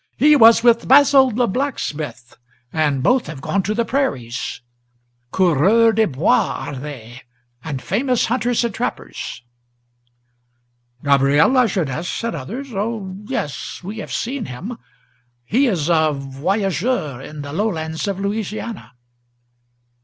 He was with Basil the blacksmith, and both have gone to the prairies; Coureurs des Bois are they, and famous hunters and trappers," "Gabriel Lajeunesse!" said others; "O yes! we have seen him. He is a Voyageur in the lowlands of Louisiana."